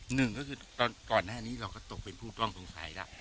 หนึ่งก็คือก่อนหน้านี้เราก็ตกเป็นผู้ต้องสงสัยแล้ว